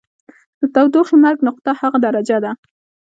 د تودوخې مرګ نقطه هغه درجه ده.